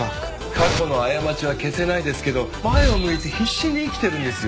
過去の過ちは消せないですけど前を向いて必死に生きてるんですよ。